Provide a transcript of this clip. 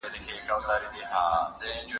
ښکل مې کړه،